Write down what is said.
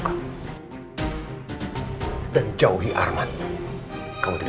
kalian bisa lebih ter verdik terus itu